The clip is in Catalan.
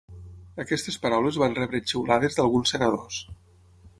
Aquestes paraules van rebre xiulades d’alguns senadors.